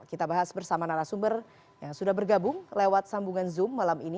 kita bahas bersama narasumber yang sudah bergabung lewat sambungan zoom malam ini